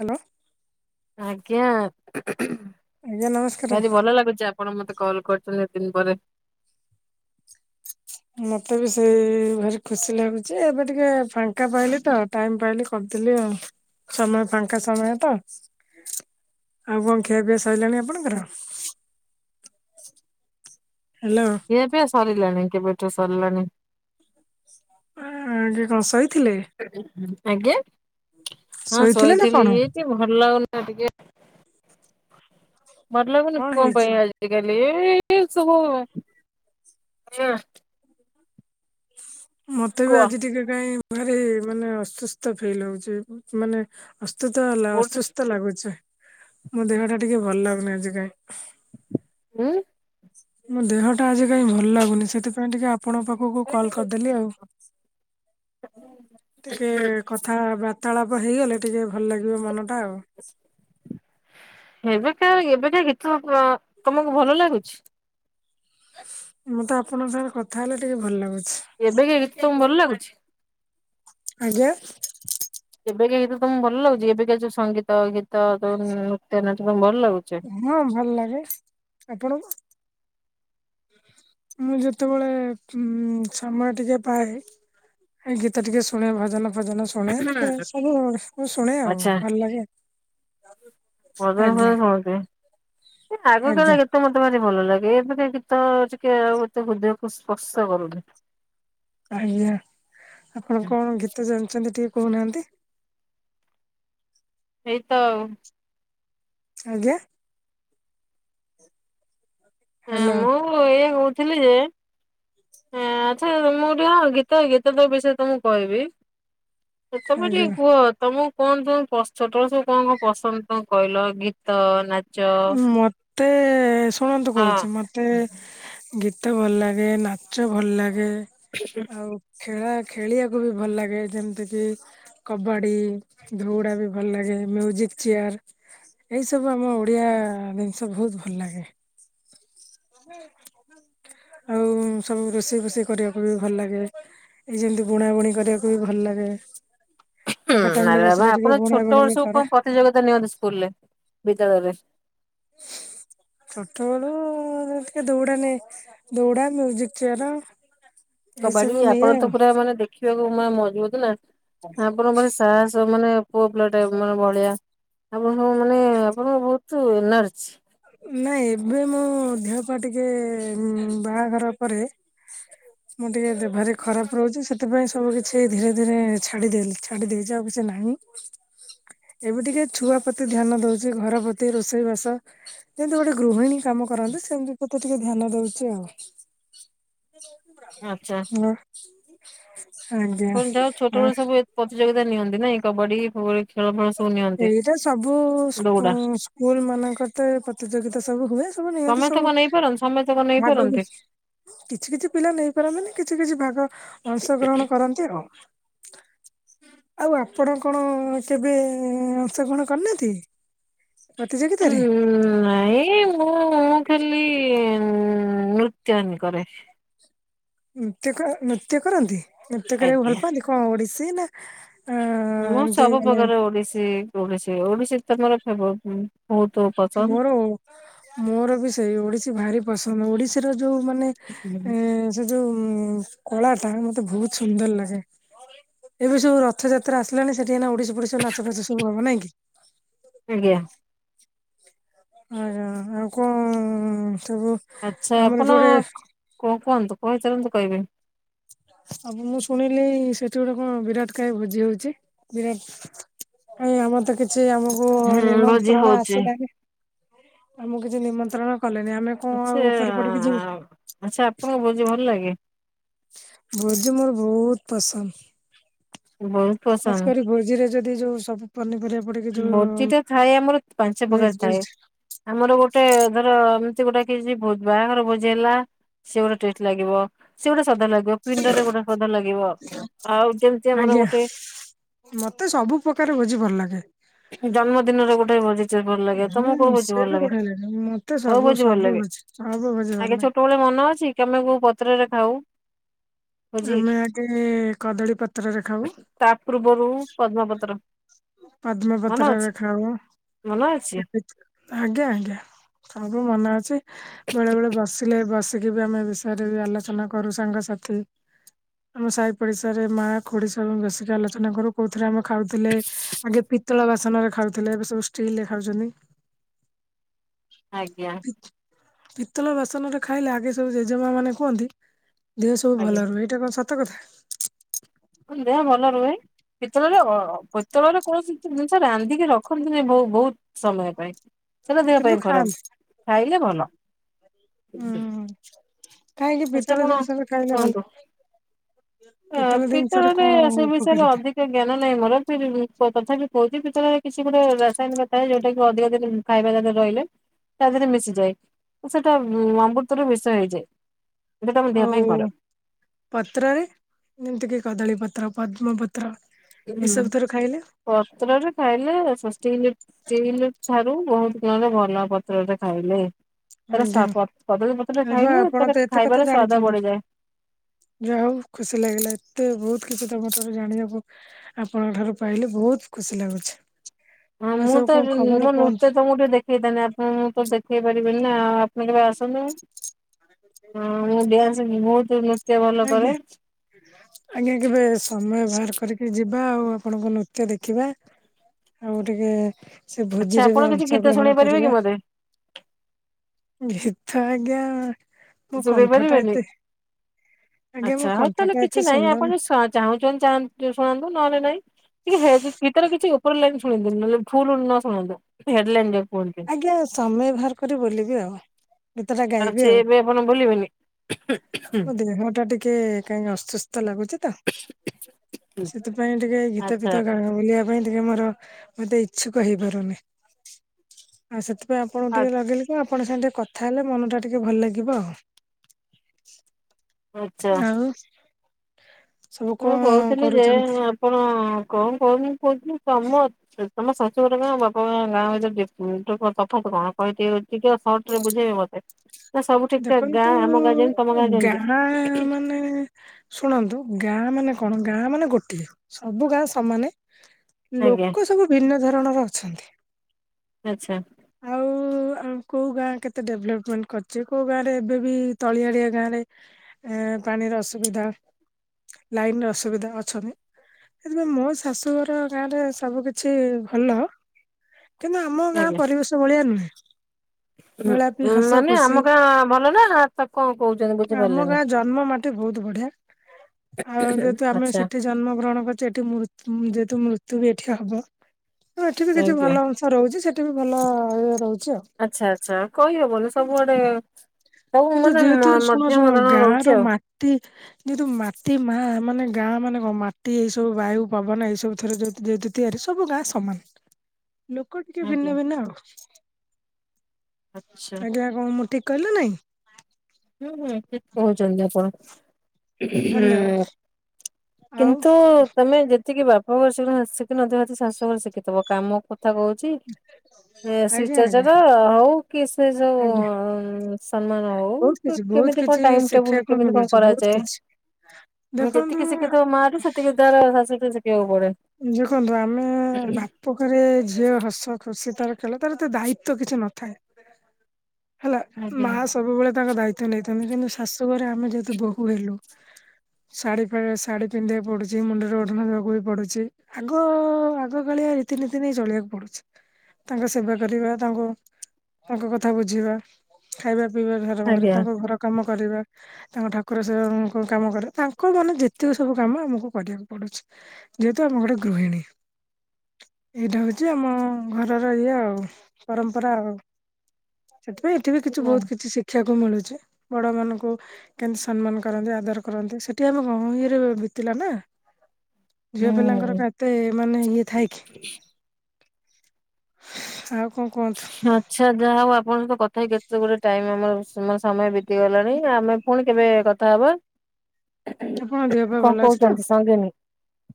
Hello ଆଜ୍ଞା, ଆଜ୍ଞା ନମସ୍କାର। ଭାରି ଭଲ ଲାଗୁଛି ଆପ ଆପଣ ମତେ କଲ୍ କରିଛନ୍ତି ଏତେ ଦିନ ପରେ ମତେ ବି ସେଇ ଭାରି ଖୁସି ଲାଗୁଛି, ଏବେ ଟିକେ ଫାଙ୍କା ପାଇଲି ତ ଟାଇମ୍ ପାଇଲି କରିଦେଲି ଆଉ। ସମୟ ଫାଙ୍କା ସମୟ ତ ଆଉ କଣ ଖିଆପିଆ ସଇଲାଣି ଆପଣଙ୍କର? ହ୍ୟାଲୋ। ଖିଆପିଆ ସରିଲାଣି, କେବେଠୁ ସରିଲାଣି। ଆଜି କଣ ଶୋଇଥିଲେ? ଆଜ୍ଞା, ହଁ ଶୋଇଥିଲେ ନା ଶୋଇଥିଲି କଣ? ଏଇଠି ଭଲ ଲାଗୁନି ତ ଟିକେ, ଭଲ ଲାଗୁନି କଣ ପାଇଁ ଆଜି ଆଜିକାଲି ଏଇସବୁ, ହଁ। ମତେ ବି କୁହ ଆଜି ଟିକେ କାହିଁ ଭାରି ମାନେ ଅସୁସ୍ଥ ଫିଲ୍ ହଉଛି। ମାନେ ଅସ୍ତୁଥ ହେଲା କୋଉଠି ଅସୁସ୍ଥ ଲାଗୁଚେ, ମୋ ଦେହଟା ଟିକେ ଭଲ ଲାଗୁନି ଆଜି କାଇଁ। ଉଁ? ମୋ ଦେହଟା ଆଜି କାହିଁ ଭଲ ଲାଗୁନି, ସେଥିପାଇଁ ଟିକେ ଆପଣଙ୍କ ପାଖକୁ କଲ୍ କରିଦେଲି ଆଉ। ଟିକେ କଥା ବାର୍ତ୍ତାଳାପ ହେଇଗଲେ, ଟିକେ ଭଲ ଲାଗିବ ମନଟା ଆଉ। ଏବେକା ଏବେକା ଗୀତ ତମକୁ ଭଲ ଲାଗୁଛି? ମୁଁ ତ ଆପଣଙ୍କ ସାଙ୍ଗରେ କଥା ହେଲେ ଟିକେ ଭଲ ଲାଗୁଛି। ଏବେକା ଗୀତ ତମକୁ ଭଲ ଲାଗୁଛି? ଆଜ୍ଞା? ଏବେକା ଗୀତ ତମକୁ ଭଲ ଲାଗୁଚି? ଏବେକା ଯୋଉ ସଙ୍ଗୀତ, ଗୀତ, ଯୋଉ ନୃତ୍ୟ, ନାଟ ତମକୁ ଭଲ ଲାଗୁଛି? ହଁ, ଭଲ ଲାଗେ। ଆପଣଙ୍କୁ? ମୁଁ ଯେତେବେଳେ ଉମ୍ ସମୟ ଟିକେ ପାଏ ଏଇ ଗୀତ ଟିକେ ଶୁଣେ, ଭଜନ ଫଜନ ଶୁଣେ, ଟିକେ ସବୁ ସୁ ଶୁଣେ ଆଉ ଆଚ୍ଛା ଭଲ ଲାଗେ ଆଉ। ଭଜନ ଫଜନ ଶୁଣୁଥିବେ, ଏ ଆଜ୍ଞା ଆଗକାଳରେ ଗୀତ୍ ତ ମତେ ଭାରି ଭଲ ଲାଗେ, ଏବେକା ଗୀତ ଟିକେ ଆଉ ଏତେ ହୃଦୟକୁ ସ୍ପର୍ଶ କରୁନି। ଆଜ୍ଞା। ଆପଣ କଣ ଗୀତ ଜାଣିଛନ୍ତି ଟିକେ କହୁନାହାଁନ୍ତି? ଏଇତ ଆଉ ଆଜ୍ଞା? ହ୍ୟାଲୋ। ମୁଁ ଏଇଆ କହୁଥିଲି ଯେ ଆଁ ଆଚ୍ଛା, ମୁଁ ଟିକେ ଗୀତ ଗୀତ ତ ବିଷୟରେ ତମକୁ କହିବି ତମେ ଟିକେ ଆଜ୍ଞା। କୁହ, ତମକୁ କଣ ପସନ୍ଦ ସବୁ କଣ କଣ ପସନ୍ଦ ତ କହିଲ ଗୀତ ନା ମତେ ଶୁଣନ୍ତୁ ହଁ। କହୁଛି ମତେ ଗୀତ ଭଲ ଲାଗେ ନାଚ ଭଲ ଲାଗେ। [inaudible] ଆଉ ଖେଳା ଖେଳିବାକୁ ବି ଭଲ ଲାଗେ ଯେମିତି କି କବାଡି ଧଉଡା ବି ଭଲ ଲାଗେ ମ୍ୟୁଜିକ ଚେୟାର ଏଇ ସବୁ ଆମ ଓଡ଼ିଆ ଜିନିଷ ବହୁତ ଭଲ ଲାଗେ। ହୁଁ। ଆଉ ସବୁ ରୋଷେଇ ଫୁଷେଇ କରିବାକୁ ବି ଭଲ ଲାଗେ। ଏଇ ଯେମତି ବୁଣାବୁଣି କରିବାକୁ ବି ଭଲ ଲାଗେ। ଫାଙ୍କା ହୁଁ ଟାଇମ ରେ ଆରେ ବା ବସିଲେ ଟିକେ ଆପଣ ବୁଣା ଛୋଟ ବୁଣି ବି ବଡ ସବୁ କରେ କଣ ପ୍ରତିଯୋଗିତା ନିଅନ୍ତି ସ୍କୁଲରେ ବିଦ୍ୟାଳୟରେ? [inaudible] ଛୋଟ ବେଳୁ ଟିକେ ଦଉଡ଼ା ନେ ଦୁରଡ଼ା ମ୍ୟୁଜିିକ୍ ଚୟାର କବାଡି ଆପଣ ତ ପୁରା ମାନେ ଦେଖିବାକୁ ମଜବୁତ ନା। ଆପଣଙ୍କ ସାହସ ମାନେ ପୁଅ ପିଲା ଟାଇପ୍ ମାନେ ଭଳିିଆ। ଆପଣଙ୍କ ମାନେ ଆପଣଙ୍କ ବହୁତ ଏନର୍ଜି। ନାଇଁ ଏବେ ମୁଁ ଦେହ ପା ଟିକେ ବାହାଘର ପରେ। ମୁଁ ଟିକେ ଦେ ଭାରି ଖରାଫ ରହୁଛି ସେ ସେଥିପାଇଁ ସବୁ କିଛି ଧୀରେ ଧୀରେ ଛାଡିଦେଲି ଛାଡିଦେଇଚି ଆଉ କିଛି ନାହିଁ। ଏବେ ଟିକେ ଛୁଆ ପ୍ରତି ଧ୍ୟାନ ଦଉଛି ଘର ପ୍ରତି ରୋଷେଇ ବାସ। ଯେମିତି ଗୋଟେ ଗୃହିଣୀ କାମ କରନ୍ତି ସେମିତି କୁତେ ଟିକେ ଧ୍ୟାନ ଦଉଛି ଆଉ। ଆଚ୍ଛା। ହଁ। ହଁ ଯାହା ଛୋଟବେେଳ ସବୁ ପ୍ରତିଯୋଗିତା ନିଅନ୍ତି ନାଇଁ କବାଡି ଖେଳ ଫେଳ ସବୁ ନିଅନ୍ତି। ଏଇଟା ସବୁ ସ୍କୁ ଦୌଡା ସ୍କୁଲ ମାନଙ୍କରେ ତ ପ୍ରତିଯୋଗିତା ସବୁ ହୁଏ ସବୁ ନିଅତି ସମେତକ ସବୁ ନେଇପାରନ୍ତି ସମେତ କଣ ଭାଗ ନେଇପାରନ୍ତି। କିଛି କିଛି ପିଲା ନେଇପାରନ୍ତିନି କିଛି କିଛି ଭାଗ ଅଂଶଗ୍ରହଣ କରନ୍ତି ଆଉ। ଆଉ ଆପଣ କଣ କେବେ ଅଂଶଗ୍ରହଣ କରିନାହାନ୍ତି। ପ୍ରତିଯୋଗିତାରେ। ନାଇଁ ମୁଁ ଉ ଉ ମୁଁ ଖାଲି ନୃତ୍ୟହିନୀ କରେ। ନୃତ୍ୟ ନୃତ୍ୟ କରନ୍ତି ନୃତ୍ୟ କରିବାକୁ ଭଲ ଆଜ୍ଞା। ପାଆନ୍ତି କଣ ଓଡିଶୀ ନା ଅ ମୁଁ ଏମତି ସବୁ ମାନେ ପ୍ରକାର ଓଡିଶୀ ଓଡିଶୀ ଓଡିଶୀ ତମର ଫେବ ମୋର ମୋର ବି ସେଇ ଓଡିଶୀ ଭାରି ପସନ୍ଦ ଓଡିଶୀର ଯୋଉ ମାନେ ହୁଁ। ଏ ସେ ଯୋଉ କଳା ଟା ମତେ ବହୁତ ସୁନ୍ଦର ଲାଗେ। ଏବେ ସବୁ ରଥଯାତ୍ରା ଆସିଲାଣି ସେଠି ଏଇନେ ଓଡିଶି ଫୋଡିଶି ନାଚ ଫାଚ ସବୁ ହବ ନାଇଁ କି। ଆଜ୍ଞା। ଆଜ୍ଞା ଆଉ କଣ ସବୁ। ଆଚ୍ଛା ଆମର ଆପଣ ଯୋଉଟେ କ କୁହନ୍ତୁ କହିଚାଲନ୍ତୁ କହିବେ। ଅବି ମୁଁ ଶୁଣିଲି ସେଠି ଗୋଟେ କଣ ବିରାଟ କାୟ ଭୋଜି ହଉଛି ବିରାଟ କାଇଁ ଆମର ତ କି କିଛି ଆମକୁ ହୁଁ ଭୋଜି ନିମନ୍ତ୍ରଣ ହଉଛି ଆସିଲାନି ଆମକୁ କିଛି ନିମନ୍ତ୍ରଣ କଲେନି ଆମେ କଁ ଆଚ୍ଛା ଆଉ ଉପରେ ପଡିକି ଯିବୁ। ଆଚ୍ଛା ଆପଣଙ୍କୁ ଭୋଜି ଭଲ ଲାଗେ। ଭୋଜି ମୋର ବହୁତ ପସନ୍ଦ୍। ବହୁତ ଖାସ ପସନ୍ଦ। କରି ଭୋଜିରେ ଯଦି ଯୋଉ ସବୁ ପନିପରିବା ପଡେ ଭୋଜି ଟା ଥାଏ ଆମର ପାଞ୍ଚ ପ୍ରକାର ଥାଏ। ଭେଜ ଆମର ଗୋଟେ ଧର ଏମିତି ଗୋଟେ କିଛି ଭୋଜ୍‌ ବାହାଘର ଭୋଜି ହେଲା। ସେ ଗୋଟେ ଟେଷ୍ଟ ଲାଗିବ ସେ ଗୋଟେ ସ୍ୱାଦ ଲାଗିବ। ପିଣ୍ଡରେ ଗୋଟେ ସଧ ଲାଗିବ ଆଉ ଯେମିତି ଆମର ଆଜ୍ଞା ଗୋଟେ। ମତେ ସବୁ ପ୍ରକାର ଭୋଜି ଭଲ ଲାଗେ। ଜନ୍ମଦିନରେ ଗୋଟେ ଭୋଜି ଟେ ଭଲ ଲାଗେ ତମକୁ ହୁଁ କୋଉ ଭୋଜି ସିଏ ଭଲ ବି ଲାଗେ ବଢିଆ ମତେ ସବୁ ଭୋଜି ଭଲ ସବୁ ଲାଗେ। ଭୋଜି ସବୁ ଭୋଜି ଭଲ ଆଜ୍ଞା ଲାଗେ। ଛୋଟବେଳେ ମନ ଅଛି କି ଆମେ କୋଉ ପତ୍ରରେ ଖାଉ? ଭୋଜି ଆମେ ଆଗେ କଦଳୀ ପତ୍ରରେ ଖାଉ [inaudible] ତା ପୂର୍ବରୁ ପଦ୍ମପତ୍ର। ମନେ ଅଛି ପଦ୍ମପତ୍ରରେ ଖାଉ ମନେ ଅଛି [inaudible] ଆଜ୍ଞା ଆଜ୍ଞା ସବୁ ମନେ ଅଛି ବେଳେ ବେଳେ ବସିଲେ ବଶ୍ ସିକି ବି ଆମେ ବିଷୟରେ ବି ଆଲୋଚନା କରୁ ସାଙ୍ଗସାଥି। ଆମ ସାହି ପଡିଶାରେ ମା ଖୁଡି ସବୁ ମିଶିକି ଆଲୋଚନା କରୁ କୋଉଥିରେ ଆମେ ଖାଉଥିଲେ। ଆଗେ ପିତ୍ତଳ ବାସନରେ ଖାଉଥିଲେ ଏବେ ସବୁ ଷ୍ଟିଲରେ ଖାଉଛନ୍ତି। ଆଜ୍ଞା। ପିତଳ ବାସନରେ ଖାଇଲେ ଆଗେ ସବୁ ଜେଜେମା ମାନେ କୁହନ୍ତି ଦେହ ସବୁ ଆଜ୍ଞା। ଭଲ ରୁହେ ଏଇଟା କଣ ସତ କଥା? ମୁ ଦେହ ଭଲ ରୁହେ। ପିତଳରେ ଅ ଅ ପିତଳରେ କୌଣସି ଜିନିଷ ରାନ୍ଧିକି ରଖନ୍ତିନି ବହୁ ବହୁତ ସମୟ ପାଇଁ। ସେଟା ଦେହ କିନ୍ତୁ ପାଇଁ ଖାଆନ୍ତି। ଖରାପ ଖାଇଲେ ଭଲ। ହୁଁ କାହିଁକି ଆଚ୍ଛା ପିତଳ ଆପଣ ଜିନିଷରେ ଖାଇଲେ ଭଲ? କୁହନ୍ତୁ। ପିତଳ ଜିନି ପିତ୍ତଳ ରେ ସେ ବିଷୟରେ ଅଧିକ ଜ୍ଞାନ ନାହିଁ ମୋର ଫିର୍ ବି କ ତଥାପି କହୁଛି ପିତଳ ରେ କିଛି ଗୋଟେ ରାସାୟନିକ ଥାଏ ଯୋଉଟା କି ଅଧିକ [unintelligible] ଖାଇବା ତା ଦେହରେ ରହିଲେ। ତା ଦେହରେ ମିଶିଯାଏ ସେଟା ମୁ ଅମୃତରୁ ମିଷ ହେଇଯାଏ। ଯୋଉଟା ଆମ ଦେହ ଆଉ ପାଇଁ ଖରାପ। ପତ୍ରରେ ଯେମତିକି କଦଳୀ ପତ୍ର ପଦ୍ମ ପତ୍ ହୁଁ ପତ୍ରରେ ଖାଇଲେ [unintelligible] ଷ୍ଟିଲ୍ ଠାରୁ ବହୁତ ଗୁଣରେ ଭଲ ପତ୍ରରେ ଖାଇଲେ। ତାର ସ୍ୱା ଆଜ୍ଞା। ପ କଦଳୀ ପତ୍ର ରେ ଏବେ ଖାଇଲେ ଆପଣ ତାର ତ ଏତେ କଥା ଖାଇବାରେ ସ୍ୱାଦ ଜାଣିଛନ୍ତି। ବଢିଯାଏ। ଯାହା ହଉ ଖୁସି ଲାଗିଲା ଏତେ ବହୁତ କିଛି ତମ ଠାରୁ ଜାଣିବାକୁ ଆପଣଙ୍କ ଠାରୁ ପାଇଲି ବହୁତ ଖୁସି ଲାଗୁଛି। ହଁ ଆଉ ମୁଁ ସବୁ ତ କଣ ମୁଁ [unintelligible] ଖବର କୁହନ୍ତୁ? ତମକୁ ଟିକେ ଦେଖେଇଥାନ୍ତି ଆପଣ ତ ଦେଖେଇ ପାରିବେନି ନା ଆ [unintelligible] ଆସନ୍ତୁ। ହଁ ମୁଁ ଡ୍ୟାସ ମୁଁ ବହୁତ ନୃତ୍ୟ ଭଲ ଆଜ୍ଞା କରେ। ଆଜ୍ଞା କେବେ ସମୟ ବାହାର କରିକି ଯିବା ଆଉ ଆପଣଙ୍କ ନୃତ୍ୟ ଦେଖିବା ଆଉ ଟିକେ ସେ ଆଚ୍ଛା ଭୋଜି ରେ ଆପଣ ବି କିଛି ଗୀତ ଶୁଣେଇ ଅଂଶଗ୍ରହଣ ପାରିବେ କି କରିବା। ମତେ ଗୀତ ଆଜ୍ଞା ମୋ ଶୁଣେଇ କଣ୍ଠ ଟା ପାରିବେନି? ଏତେ ଆଜ୍ଞା ମୋ ଆଚ୍ଛା ହଉ କଣ୍ଠ ତାହେଲେ ଟା ଏତେ କିଛି ନାଇଁ ସୁନ୍ଦର ଆପଣ ନୁ- ସ ଚାହୁଁଛନ୍ତି ଚା ଶୁଣାନ୍ତୁ ନହେଲେ ନାଇଁ। ଟିକେ ଗେ ଗୀତର କିଛି ଉପର ଲାଇନ୍ ଶୁଣେଇ ଦିଅନ୍ତୁ ନହେଲେ ଫୁଲ ନ ଶୁଣାନ୍ତୁ ହେଡ଼ ଲାଇନ୍ ଯୋଉ କୁହନ୍ତି। ଆଜ୍ଞା ସମୟ ବାହାର କରି ବୋଲିବି ଆଉ। ଗୀତ ଟା ଆଡା ଗାଇବି ଛେ ଆଉ। ଏବେ ଆପଣ ବୋଲିବେନି। [inaudible] ମୋ ଦେହ ଟା ଟିକେ କାହିଁକି ଅସୁସ୍ଥ ଲାଗୁଛି ତ ସେଥିପାଇଁ ଟିକେ ଗୀତ ଆଚ୍ଛା ଫୀତ ଗା ବୋଲିବା ପାଇଁ ଟିକେ ମୋର ମତେ ଇଚ୍ଛୁକ ହେଇପାରୁନି। ଆ ସେଥିପାଇଁ ଆପଣଙ୍କୁ ଟିକେ ଲଗେଇଲି ଆପଣ ସାଙ୍ଗେ ଟିକେ କଥା ହେଲେ ମନଟା ଟିକେ ଭଲ ଲାଗିବ ଆଉ। ଆଚ୍ଛା। ଆଉ ସବୁ ମୁଁ କଣ କହୁଥିଲି ଯେ କରୁଛନ୍ତି? ଆପଣ କଣ କହୁନି କହୁଥିଲି ତମ ସେ ତମ ଶାଶୁ ଘର ଗାଁ ବପା ଗାଁ ଗାଁ ଭିତରେ ଡିଫ ଡିଫର୍ ତଫାତ କଣ କହି [unintelligible] ଟିକେ ସର୍ଟରେ ବୁଝେଇବ ମତେ। ନା ସବୁ ଠିକ ଠାକ ଦେଖନ୍ତୁ ଗାଁ ଆମ ଗାଁ ଯେମିତି ତମ ଗାଁ ଯେମିତି ଗାଁ ମାନେ ଶୁଣନ୍ତୁ ଗାଁ ମାନେ କଣ ଗାଁ ମାନେ ଗୋଟିଏ ସବୁ ଗାଁ ସମାନେ। ଆଜ୍ଞା ଲୋକ ସବୁ ଭିନ୍ନ ଧରଣର ଅଛନ୍ତି। ଆଛା। ଆଉ ଆଁ- କଉ ଗାଁ କେତେ ଡେଭଲପମେଣ୍ଟ୍ କରି ଚି କଉ ଗାଁ ରେ ଏବେ ବି ତଳିଆଡିଆ ଗାଁ ରେ ଏ ପାଣିର ଅସୁବିଧା। ଲାଇନ୍ ର ଅସୁବିଧା ଅଛନ୍ତି। ସେଥିପାଇଁ ମୋ ଶାଶୁଘର ଗାଁରେ ସବୁ କିିଛି ଭଲ। କିନ୍ତୁ ଆମ ଗାଁ ଆଜ୍ଞା। ପରିବେଶ ଭଳିଆ ନୁହେଁ ମେଳାପି ହସ ମାନେ ଆମ ଖୁସି ଗାଁ ଭଲ ନା ତ କଣ କହୁଛନ୍ତି ଆମ ବୁଝିପାରିଲେନି ଗାଁ ଜନ୍ମ ମାଟି ବହୁତ୍ ବଢିଆ। ଆଉ ଯେହେତୁ ଆମେ ଆଚ୍ଛା ସେଠି ଜନ୍ମ ଗ୍ରହଣ କରିଚୁ ଏଠି ମୃ- ଯେହେତୁ ମୃତ୍ୟୁ ବି ଏଠି ହବ ଆଉ ଏଠି ବି କିଛି ଆଜ୍ଞା। ଭଲ ରହୁଚି ସେଠି ବି ଭଲ ଇଏ ରହୁଚି ଆଉ। ଆଚ୍ଛା- ଆଚ୍ଛା କହିହବ [unintelligible] ସବୁଆଡେ ହଉ କିନ୍ତୁ ମାନେ ମ-ମଧ୍ୟମ ଧରଣର ହଉଚି ଆଉ। ଟି। ଯେହେତୁ ମାଟି ମା ମାନେ ଗାଁ ମାନେ କଣ ମାଟି ଏଇସବୁ ବାୟୁ ପବନ ଏଇସବୁ ଥରେ [unintelligible] ଯେହେତୁ ତିଆରି ସବୁ ଗାଁ ସମାନ୍ ଲୋକ ଟିକେ ଆଜ୍ଞା ଭିନ୍ନ ଭିନ୍ନ ଆଉ। ଆଚ୍ଛା ଆଜ୍ଞା କଣ ମୁଁ ଠିକ୍ କହିଲ ନାଇଁ? ହୁଁ -ହୁଁ ଠିକ୍ କହୁଚନ୍ତି ଆପଣ। ହୁଁ ଧନ୍ୟବାଦ ଆଉ -କିନ୍ତୁ ତମେ ଯେ ସିକି ବାପଘର [unintelligible] ଶାଶୁ ଘରେ ଶିକିଥିବ କାମ କଥା କହୁ ଚି-ଏଁ ଆଜ୍ଞା ଆଜ୍ଞା ଶିଷ୍ଟାଚାର ହଉ କି ସେ ଯଉ ଆଜ୍ଞା ସମ୍ମାନ ବହୁତ ହଉ। କିଛି ବହୁତ କେମିତି କଣ୍ କିଛି ଟାଇମ୍ ଟେବୁଲ୍ ଶିଖିବାକୁ କେମିତି କଣ ମିଳୁଛି ବହୁତ କିଛି କରାଯାଏ ଦେଖନ୍ତୁ ଯେତିକି ଶିକିଥିବ ମା ଠୁ ସେତିକି ତାର ଶାଶୁଠୁ ଶିକିବାକୁ ପଡେ। ଦେଖନ୍ତୁ ଆମେ ବା ପଘରେ ଝିଅ ହସ ଖୁସି ତାର ଖେଳେ ତାର ଏତେ ଦାୟିତ୍ଵ କିଛି ନଥାଏ। ହେଲା ଆଜ୍ଞା। ମା ସବୁବଳେ ତାଙ୍କ ଦାୟିତ୍ଵ ନେଇଥାନ୍ତି କିନ୍ତୁ ସେ ଶାଶୁ ଘରେ ଆମେ ଯେହେତୁ ବୋହୂ ହେଲୁ ଶାଢୀ -ପାଡି-ଶାଢୀ ପିନ୍ଧିବାକୁ ପଡୁଚି ମୁଣ୍ଡ ରେ ଓଢ଼ଣା ଦେବାକୁ ବି ପଡୁଚି ଚି-ଆଗ -ଆଗକାଳିଆ ରୀତିନୀତି ନେଇ ଚଳିବାକୁ ପଡୁଚି ତାଙ୍କ ସେବା କରିବା ତାଙ୍କୁ- ତାଙ୍କ କଥା ବୁଝିବା। ଖାଇବା ପିଇବା ଠୁ ଆରମ୍ଭ କରି ଆଜ୍ଞା ତାଙ୍କ ଘର କାମ କରିବା ତାଙ୍କ ଠାକୁର ସେଏ ଙ୍କୁ କାମ କରେ ତାଙ୍କ ମାନେ ଯେତିକ ସବୁ କାମ ଆମକୁ କରିବାକୁ ପଡୁଚି। ଯେହେତୁ ଆମ ଗୋଟେ ଗୃହିଣୀ। ଏଇଟା ହଉଚି ଆମ ଘରର ଇଏ ଆଉ ପରମ୍ପରା ଆଉ। ସେଥିପାଇଁ ଏଠି ବି କିଛି ବହୁତ୍ କିଛି ଶିଖିବାକୁ ମିଳୁଚି ବଡ ମାନଙ୍କୁ କେମିତି ସମ୍ମାନ କରନ୍ତି ଆଦର କରନ୍ତି ସେଠି ଆମେ [unintelligible] ବିତିଲା ନା। ଝିଅ ପିଲାଙ୍କର ହୁଁ। କାତ୍ କେତେ ମାନେ ଇଏ ଥାଏ କି -ଆଉ କଣ କୁହନ୍ତୁ। ଆଚ୍ଛା ଯାହାଉ ଆପଣଙ୍କ କଥା ହେଇ କେତେ ଗୁରେ ଟାଇମ୍ ଆମର ସମୟ-ସମୟ ବିତିଗଲାଣି ଆମେ ପୁଣି କେବେ କଥା ହବା। ଆପଣଙ୍କ ଦେହ ପା କଣ ଭଲ ଅଛି ତ? କହୁଚନ୍ତି ସଙ୍ଗିନୀ?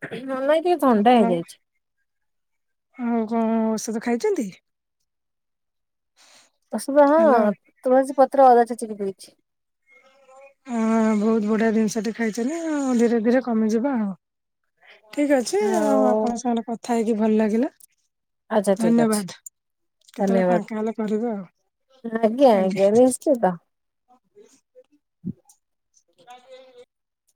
ହଁ- ନାଇଁ ଟିକେ ଥଣ୍ଡା ଆପଣ ହେଇଯାଇଚି। ଆଉ କଣ ଔଷଧ ଖାଇଚନ୍ତି? ଔଷଧ ହଁ ତୁଳସୀପତ୍ର ଅଦା ଛେଚି କି ପିଇଚି। ହଁ ବହୁତ୍ ବଢିଆ ଜିନିଷଟି ଖାଇଚନ୍ତି ଆଉ ଧୀରେ ଧୀରେ କମିଯିବ ଆଉ। ଠିକ୍ ଅଛି ଆଉ ଆପଣଙ୍କ ସାଙ୍ଗେରେ କଥା ହେଇକି ଭଲ୍ ଲାଗିଲା। ଆଚ୍ଛା ଠିକ୍ ଅଛି। ଧନ୍ୟବାଦ। କେତେବେଳେ ଫାଙ୍କା ହେଲେ କରିବେ ଆଉ ଧନ୍ୟବାଦ୍। ହୁଁ [inaudible]